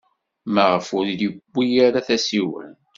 Maɣef ur yewwi ara tasiwant?